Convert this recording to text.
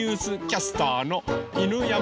キャスターの犬山